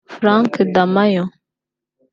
Frank Domayo